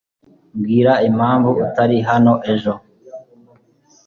mbwira impamvu utari hano ejo